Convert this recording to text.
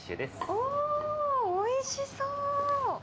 おー、おいしそう！